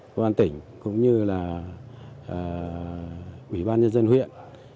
cơ quan tỉnh cũng như là ủy ban nhân dân huyện